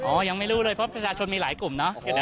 โอ้ยังไม่รู้เลยพวกประชาชนมีหลายกลุ่มนะ